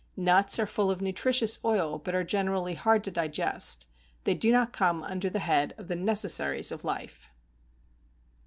Nuts are full of nutritious oil, but are generally hard to digest; they do not come under the head of the necessaries of life.